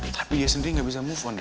tapi dia sendiri gak bisa move on dari dia